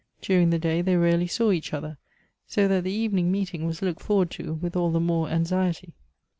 During the day they rarely saw each other, so that the evening meeting was looked forward to with all the more an.xiety.